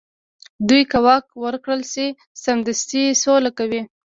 دوی که واک ورکړل شي، سمدستي سوله کوي.